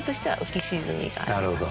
なるほど。